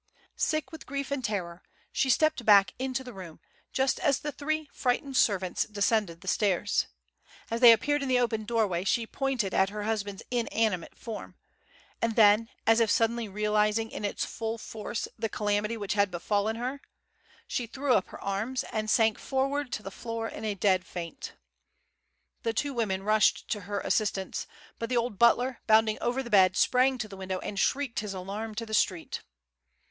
Sick with grief and terror, she stepped back into the room just as the three frightened servants descended the stairs. As they appeared in the open doorway, she pointed at her husband's inanimate form, and then, as if suddenly realizing in its full force the calamity which had befallen her, she threw up her arms, and sank forward to the floor in a dead faint. The two women rushed to her assistance, but the old butler, bounding over the bed, sprang to the window, and shrieked his alarm to the street.